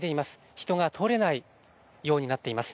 人が通れないようになっています。